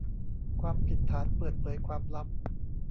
ความผิดฐานเปิดเผยความลับ